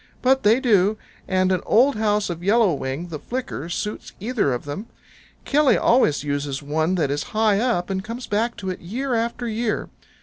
But they do, and an old house of Yellow Wing the Flicker suits either of them. Killy always uses one that is high up, and comes back to it year after year.